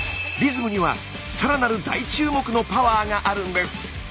リズムにはさらなる大注目のパワーがあるんです。